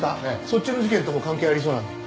そっちの事件とも関係ありそうなんで。